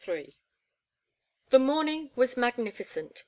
THE morning was magnificent.